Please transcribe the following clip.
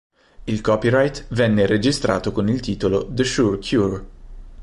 Il copyright venne registrato con il titolo "The Sure Cure"